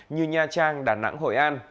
như nha trang đà nẵng hội an